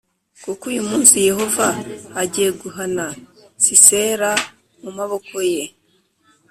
kuko uyu munsi Yehova agiye guhana Sisera mu maboko yawe